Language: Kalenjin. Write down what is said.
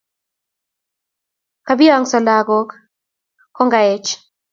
Kabiongso lagook kangoech